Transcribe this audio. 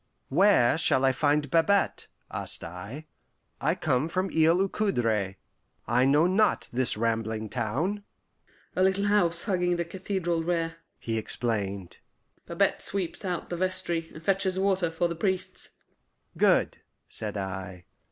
"Where shall I find Babette?" asked I. "I come from Isle aux Coudres; I know not this rambling town." "A little house hugging the cathedral rear," he explained. "Babette sweeps out the vestry, and fetches water for the priests." "Good," said I.